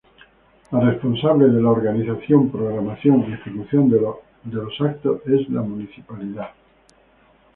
La responsable de la organización, programación y ejecución de los actos es la Municipalidad.